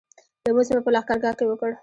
لمونځ مو په لښکرګاه کې وکړ.